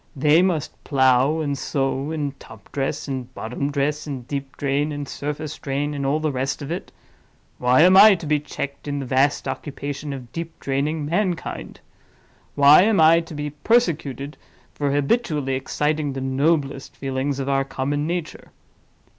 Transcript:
They must plow, and sow, and top dress, and bottom dress, and deep drain, and surface drain, and all the rest of it. Why am I to be checked in the vast occupation of deep draining mankind? Why am I to be persecuted for habitually exciting the noblest feelings of our common nature?